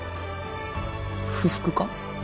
不服か？